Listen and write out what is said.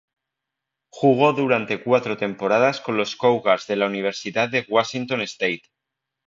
Jugó durante cuatro temporadas con los "Cougars" de la Universidad de Washington State.